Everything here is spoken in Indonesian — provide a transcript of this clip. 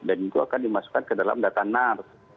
dan itu akan dimasukkan ke dalam data nars